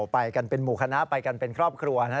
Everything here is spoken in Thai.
ไปกันเป็นหมู่คณะไปกันเป็นครอบครัวนะ